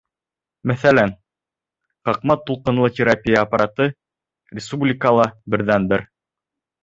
— Мәҫәлән, ҡаҡма-тулҡынлы терапия аппараты — республикала берҙән-бер.